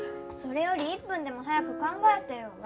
それより１分でも早く考えてよ